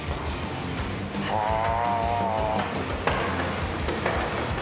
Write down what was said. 「ああ」